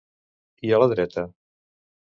I a la dreta?